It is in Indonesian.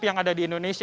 yang ada di indonesia